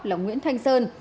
là nguyễn thành sơn